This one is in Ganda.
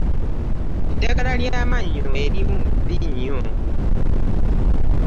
Eddagala lya mannyo erimu bbi nnyo.